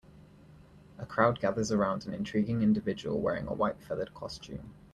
A crowd gathers around an intriguing individual wearing a white feathered costume.